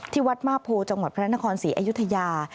วัดมาพโพจังหวัดพระนครศรีอยุธยา